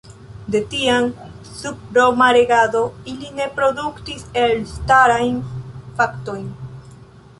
De tiam, sub roma regado, ili ne produktis elstarajn faktojn.